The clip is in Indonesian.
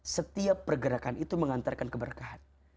setiap pergerakan itu mengantarkan keberkahan